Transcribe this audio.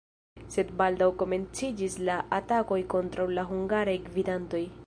Sed baldaŭ komenciĝis la atakoj kontraŭ la hungaraj gvidantoj.